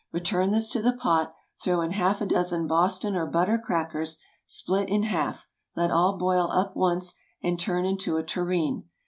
Return this to the pot, throw in half a dozen Boston or butter crackers, split in half; let all boil up once, and turn into a tureen.